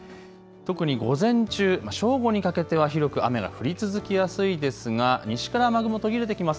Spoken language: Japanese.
特に午前中、正午にかけては広く雨が降り続きやすいですが西から雨雲、途切れてきます。